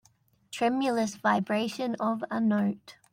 Tremulous vibration of a note.